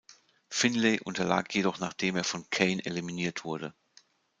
Finlay unterlag jedoch nachdem er von Kane eliminiert wurde.